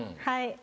はい。